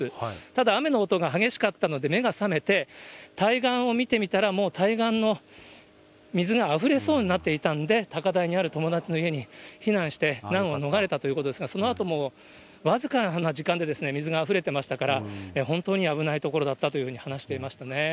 ただ雨の音が激しかったので目が覚めて、対岸を見てみたら、もう対岸の水があふれそうになっていたんで、高台にある友達の家に避難して、難を逃れたということですが、そのあとも僅かな時間で水があふれてましたから、本当に危ないところだったというふうに話していましたね。